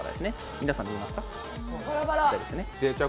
皆さん、見えますね。